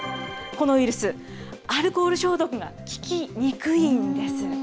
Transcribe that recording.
このウイルス、アルコール消毒が効きにくいんです。